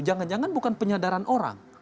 jangan jangan bukan penyadaran orang